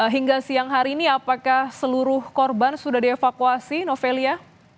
hingga siang hari ini apakah seluruh korban sudah dievakuasi novelia